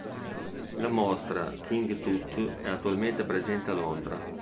La mostra "King Tut" è attualmente presente a Londra.